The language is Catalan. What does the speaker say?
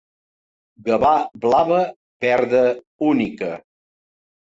Gavà blava, verda, única.